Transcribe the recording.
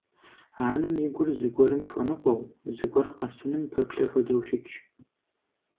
Анэм и гур зыгуэрым хуэныкъуэу, зыгуэр къэсыным пэплъэ хуэдэу щытщ.